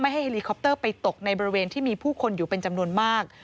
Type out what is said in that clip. ให้เฮลีคอปเตอร์ไปตกในบริเวณที่มีผู้คนอยู่เป็นจำนวนมาก